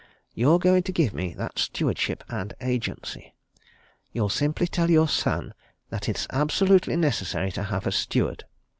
You're going to give me that stewardship and agency. You'll simply tell your son that it's absolutely necessary to have a steward.